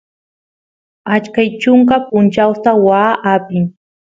ashkay chunka punchawsta waa apin